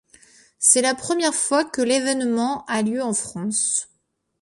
C'est la première fois que l’événement a lieu en France.